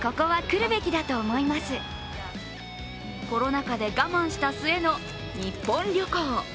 コロナ禍で我慢した末の日本旅行。